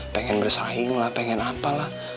pengen bersaing lah pengen apa lah